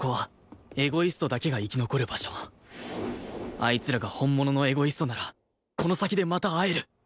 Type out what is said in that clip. あいつらが本物のエゴイストならこの先でまた会える